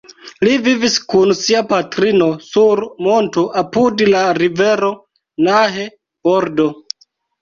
Li vivis kun sia patrino sur monto apud la rivero Nahe-bordo.